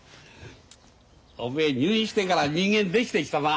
おめえ入院してから人間できてきたな。